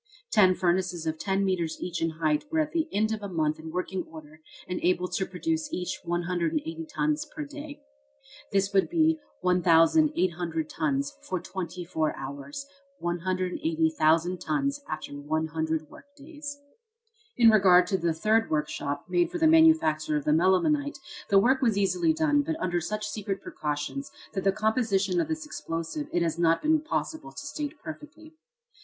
Ten furnaces of ten metres each in height were at the end of a month in working order and able to produce each 180 tons per day. This would be 1,800 tons for twenty four hours 180,000 tons after 100 work days. In regard to the third workshop, made for the manufacture of the melimelonite, the work was easily done, but under such secret precautions, that the composition of this explosive it has not been possible to state perfectly.